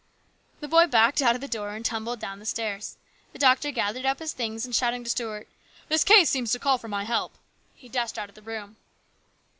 The boy backed out of the door and tumbled down the stairs. The doctor gathered up his things, and shouting to Stuart, " This case seems to call for my help," he dashed out of the room.